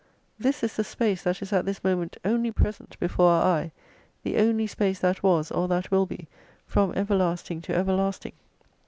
This is the space that is at this moment only present before our eye, the only space that was, or that will be, from everlasting to everlasting.